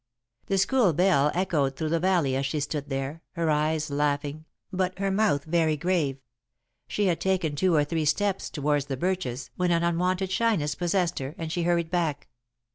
The school bell echoed through the valley as she stood there, her eyes laughing, but her mouth very grave. She had taken two or three steps toward the birches when an unwonted shyness possessed her, and she hurried back.